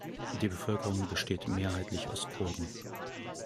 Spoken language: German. Die Bevölkerung besteht mehrheitlich aus Kurden.